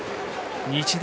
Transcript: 日大